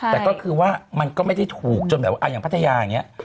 แต่ก็คือว่ามันก็ไม่ได้ถูกจนแบบว่าอย่างพัทยาอย่างนี้